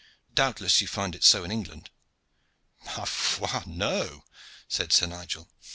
Doubtless you find it so in England." "Ma foi, no!" said Sir Nigel.